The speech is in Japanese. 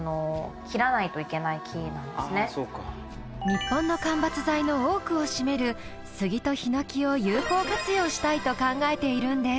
日本の間伐材の多くを占めるスギとヒノキを有効活用したいと考えているんです。